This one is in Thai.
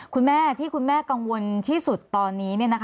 คุณแม่ที่คุณแม่กังวลที่สุดตอนนี้